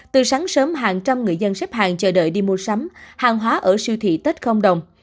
từ sáng sớm hàng trăm người dân xếp hàng chờ đợi đi mua sắm hàng hóa ở siêu thị tết không đồng